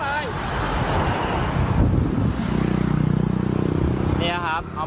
มีคลิปก่อนนะครับ